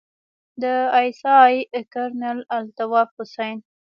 د آى اس آى کرنيل الطاف حسين.